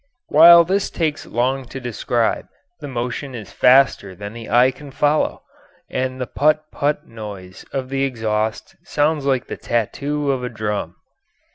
While this takes long to describe, the motion is faster than the eye can follow, and the "phut, phut" noise of the exhaust sounds like the tattoo of a drum.